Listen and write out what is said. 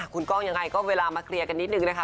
คุณก้องยังไงก็เวลามาเคลียร์กันนิดนึงนะคะ